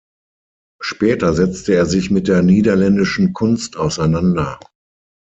Später setzte er sich mit der niederländischen Kunst auseinander.